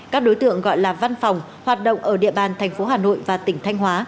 các đối tượng gọi là văn phòng hoạt động ở địa bàn thành phố hà nội và tỉnh thanh hóa